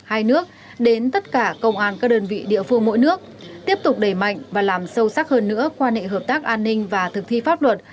hai nước đến tất cả công an các đơn vị địa phương mỗi nước tiếp tục đẩy mạnh và làm sâu sắc hơn nữa quan hệ hợp tác an ninh và thực thi pháp luật